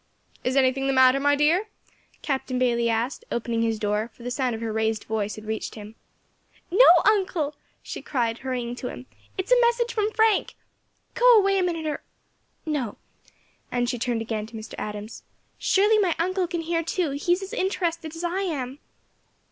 "Is anything the matter, my dear?" Captain Bayley asked, opening his door, for the sound of her raised voice had reached him. "No, uncle," she cried, hurrying to him, "it is a message from Frank. Go away a minute, or No," and she turned again to Mr. Adams, "surely my uncle can hear too, he is as interested as I am."